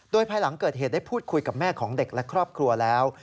โดยภายหลังเกิดเหตุได้พูดคุยกับแม่ของเด็กและครอบครัวแล้ว